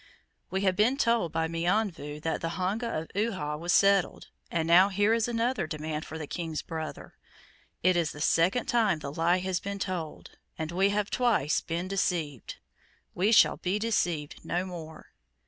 We had been told by Mionvu that the honga of Uhha was settled and now here is another demand from the King's brother! It is the second time the lie has been told, and we have twice been deceived. We shall be deceived no more.